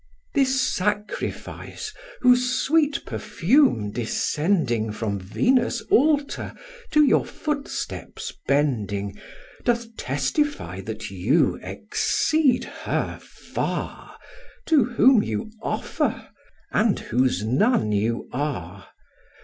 This sacrifice, whose sweet perfume descending From Venus' altar, to your footsteps bending, Doth testify that you exceed her far, To whom you offer, and whose nun you are.